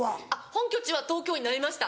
本拠地は東京になりました。